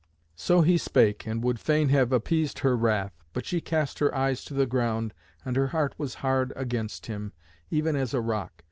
So he spake, and would fain have appeased her wrath. But she cast her eyes to the ground, and her heart was hard against him, even as a rock.